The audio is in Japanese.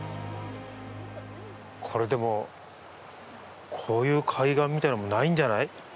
これ、でも、こういう海岸みたいのもないんじゃない？